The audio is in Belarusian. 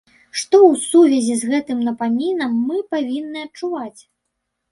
Што ў сувязі з гэтым напамінам мы павінны адчуваць?